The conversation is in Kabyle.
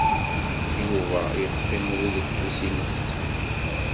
Yuba yeḍḍef imru deg ufus-nnes.